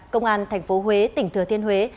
công an thành phố huế tỉnh thừa thiên huế